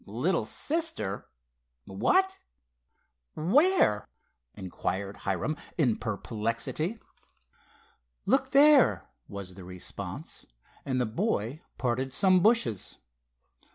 "Little sister—what? Where?" inquired Hiram, in perplexity. "Look there," was the response, and the boy parted some bushes.